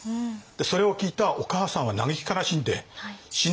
それを聞いたお母さんは嘆き悲しんで死んでしまったっていう。